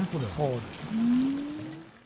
そうです。